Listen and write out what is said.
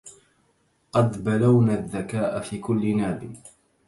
قد بلونا الذكاء في كل ناب